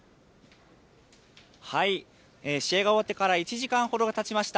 試合が終わってから１時間ほどがたちました。